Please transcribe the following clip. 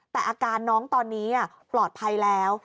แต่อาการน้องตอนนี้ปลอดภัยแล้ว